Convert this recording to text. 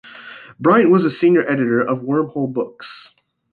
Bryant was a senior editor of Wormhole Books.